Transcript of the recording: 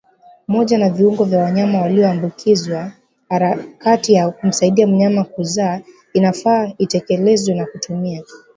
moja na viungo vya wanyama walioambukizwa Harakati ya kumsaidia mnyama kuzaainafaa itekelezwe kwa kutumia